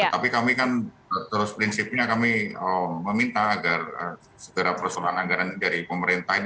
tapi kami kan terus prinsipnya kami meminta agar segera persoalan anggaran dari pemerintah ini